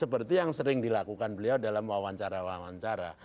seperti yang sering dilakukan beliau dalam wawancara wawancara